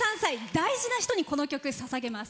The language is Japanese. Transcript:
大事な人にこの曲、ささげます。